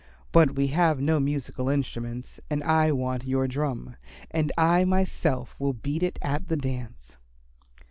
But we have no musical instruments and I want your drum, and I myself will beat it at the dance."